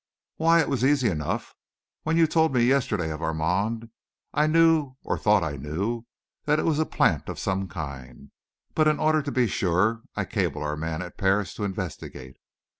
"Why, it was easy enough. When you told me yesterday of Armand, I knew, or thought I knew, that it was a plant of some kind. But, in order to be sure, I cabled our man at Paris to investigate.